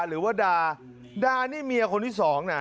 หรือว่าดาดานี่เมียคนที่สองนะ